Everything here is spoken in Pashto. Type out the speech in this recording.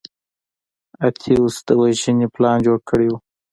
اتیوس د وژنې پلان جوړ کړی و.